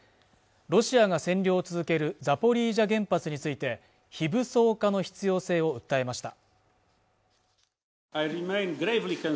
ロシアが占領を続けるザポリージャ原発について非武装化の必要性を訴えました